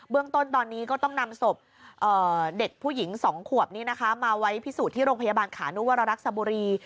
เรื่องต้นตอนนี้ก็ต้องนำศพเด็กผู้หญิง๒ขวบนี้นะคะมาไว้พิสูจน์ที่โรงพยาบาลขานุวรรักษบุรี